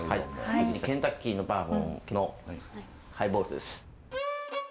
ケンタッキーのバーボンのハイボールです。